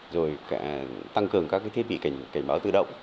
rồi tăng cường các thiết bị cảnh báo tự động